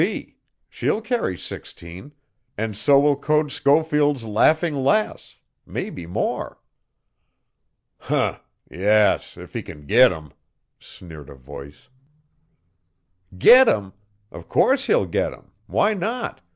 _ She'll carry sixteen, and so will Code Schofield's Laughing Lass mebbe more." "Huh! Yes, if he can git 'em," sneered a voice. "Git 'em! O' course he'll git 'em. Why not?"